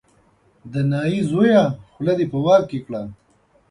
د نايي زویه خوله دې په واک کې کړه.